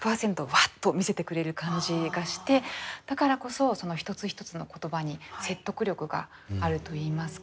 ワッと見せてくれる感じがしてだからこそその一つ一つの言葉に説得力があるといいますか。